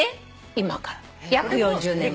今から約４０年前。